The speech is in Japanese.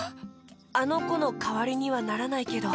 あのこのかわりにはならないけど。